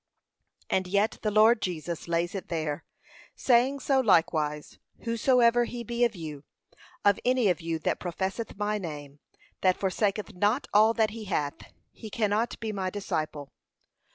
And yet the Lord Jesus lays it there, saying so likewise, 'whosoever he be of you,' of any of you that professeth my name, 'that forsaketh not all that he hath, he cannot be my disciple.'